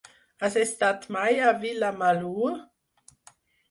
Has estat mai a Vilamalur?